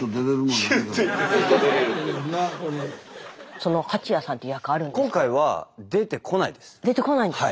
その蜂屋さんって役あるんですか？